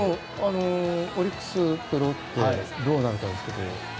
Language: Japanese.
オリックスとロッテどうなるかですけど。